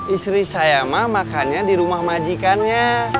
istri saya mah makannya di rumah majikannya